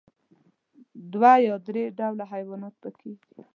دوه یا درې ډوله حيوانات پکې دي.